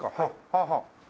はあはあ。